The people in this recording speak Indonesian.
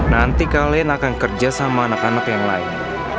nanti kalian akan kerja sama anak anak yang lain